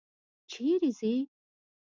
چېرې ځې؟